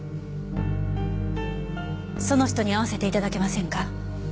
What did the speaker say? その人に会わせて頂けませんか？